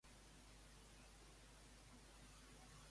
Està a favor de celebrar uns nous comicis a la comunitat catalana?